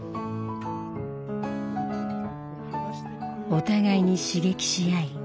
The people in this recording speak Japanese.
お互いに刺激し合い